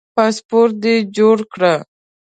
پاسپورټ دي جوړ کړه